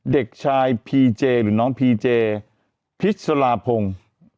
เด็กชายพีเจหรือน้องพีเจพิษราพงศ์